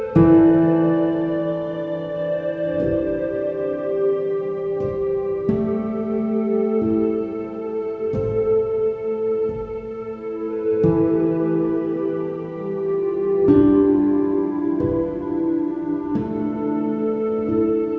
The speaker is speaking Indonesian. jangan sampai saat ini mas